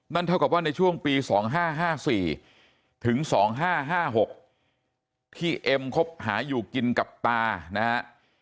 เท่ากับว่าในช่วงปี๒๕๕๔ถึง๒๕๕๖ที่เอ็มคบหาอยู่กินกับตานะฮะ